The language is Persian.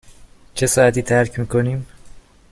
چه ساعتی ترک می کنیم؟